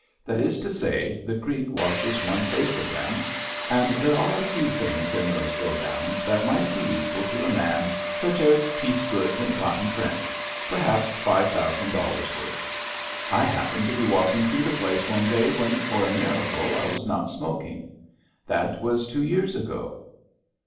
That is to to say, the creek washes one face of them, and there are a few things in those godowns that might be useful to a man, such as piece goods and cotton prints — perhaps five thousand dollars ' worth. I happened to be walking through the place one day when, for a miracle, I was not smoking. That was two years ago."